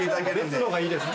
別のがいいです。